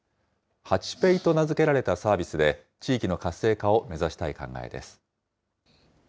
ハチペイと名付けられたサービスで、地域の活性化を目指したい考えです。